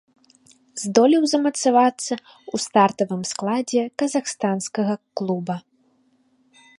Здолеў замацавацца ў стартавым складзе казахстанскага клуба.